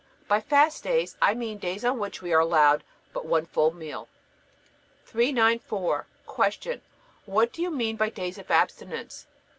By fast days I mean days on which we are allowed but one full meal. 394. Q. What do you mean by days of abstinence?